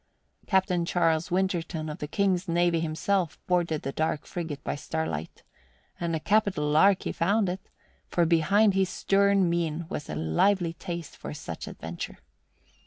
Captain Charles Winterton of the King's navy himself boarded the dark frigate by starlight, and a capital lark he found it, for behind his stern mien was a lively taste for such adventure.